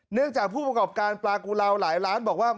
เนื่องจากผู้ประกอบการปลากุลาวหลายล้านบอกว่า